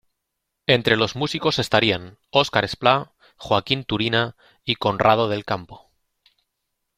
Entre los músicos estarían Óscar Esplá, Joaquín Turina y Conrado del Campo.